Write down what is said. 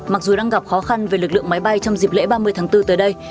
mặc dù đang gặp khó khăn về lực lượng máy bay trong dịp lễ ba mươi tháng bốn tới đây